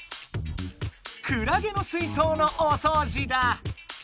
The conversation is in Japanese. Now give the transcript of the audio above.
クラゲの水そうのおそうじだ。